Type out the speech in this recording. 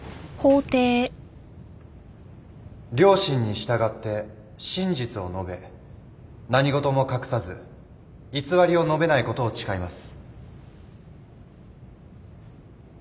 「良心に従って真実を述べ何事も隠さず偽りを述べないことを誓います」